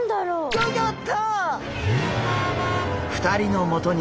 ギョギョッ！